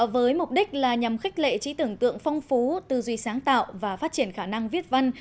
với mục đích là nhằm khích lệ trí tưởng tượng phong phú tư duy sáng tạo và phát triển khả năng viết văn